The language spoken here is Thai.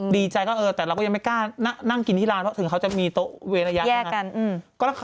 ดีใจก็เออแต่เราก็ยังไม่กล้านั่งกินที่ร้านเพราะถึงเขาจะมีโต๊ะเว้นระยะแยกกัน